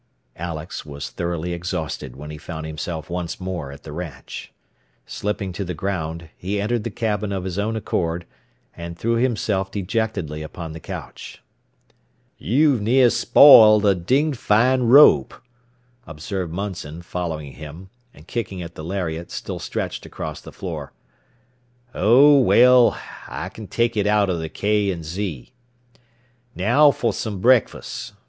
Alex was thoroughly exhausted when he found himself once more at the ranch. Slipping to the ground, he entered the cabin of his own accord, and threw himself dejectedly upon the couch. "You've near spoiled a dinged fine rope," observed Munson, following him, and kicking at the lariat, still stretched across the floor. "Oh, well, I can take it out of the K. & Z. "Now for some breakfast.